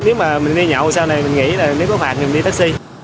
nếu mà mình đi nhậu sau này mình nghĩ là nếu có phạt mình đi taxi